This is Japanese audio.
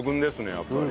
やっぱり。